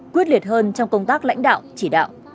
quyết liệt hơn trong công tác lãnh đạo chỉ đạo